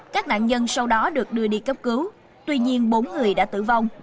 các nạn nhân sau đó được đưa đi cấp cứu tuy nhiên bốn người đã tử vong